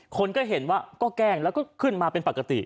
คนก็เห็นว่าก็แกล้งแล้วก็ขึ้นมาเป็นปกติ